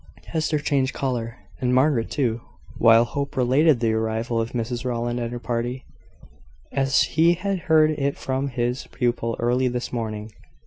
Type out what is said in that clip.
Hester changed colour, and Margaret too, while Hope related the arrival of Mrs Rowland and her party, as he had heard it from his pupil early this morning.